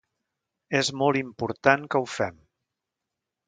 És molt important que ho fem.